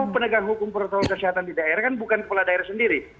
penegak hukum protokol kesehatan di daerah kan bukan kepala daerah sendiri